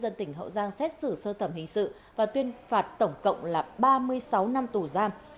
đang xét xử sơ thẩm hình sự và tuyên phạt tổng cộng là ba mươi sáu năm tù giam